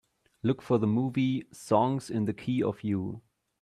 Look for the movie Songs in the Key of You